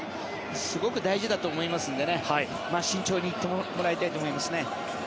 すごく大事だと思いますので慎重にいってもらいたいと思います。